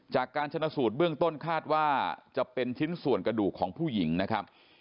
จากการชนะสูตรเบื้องต้นคาดว่าจะเป็นชิ้นส่วนกระดูกของผู้หญิงนะครับ